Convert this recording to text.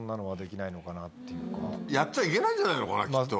やっちゃいけないんじゃないのかなきっと。